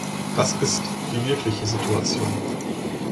Das ist die wirkliche Situation.